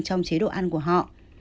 trong chế độ ăn của họ